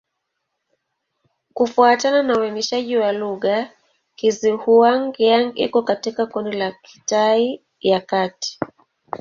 Kufuatana na uainishaji wa lugha, Kizhuang-Yang iko katika kundi la Kitai ya Kati.